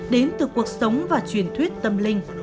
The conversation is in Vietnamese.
đến từ cuộc sống và truyền thuyết tâm linh